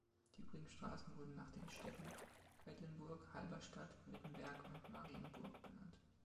Die übrigen Straßen wurden nach den Städten Quedlinburg, Halberstadt, Wittenberg und Marienburg benannt.